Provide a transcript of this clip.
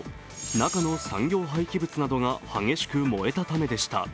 中の産業廃棄物などが激しく燃えたためでした。